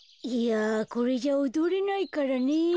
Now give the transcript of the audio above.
いやこれじゃおどれないからね。